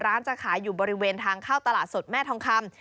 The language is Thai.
จะขายอยู่บริเวณทางเข้าตลาดสดแม่ทองคำ